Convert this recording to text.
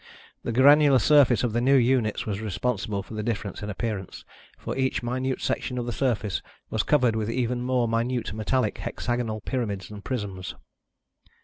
The granular surface of the new units was responsible for the difference in appearance, for each minute section of the surface was covered with even more minute metallic hexagonal pyramids and prisms.